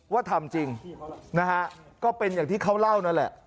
ว่าทำจริงนะฮะก็เป็นอย่างที่เขาเล่านั่นแหละ